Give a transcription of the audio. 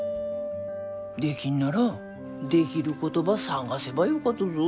できんならできることば探せばよかとぞ。